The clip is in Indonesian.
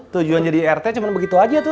tujuan jadi rt cuma begitu aja tuh